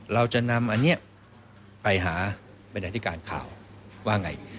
เราจะนำอันนี้ไปหาบรรดาธิการข่าวว่าไง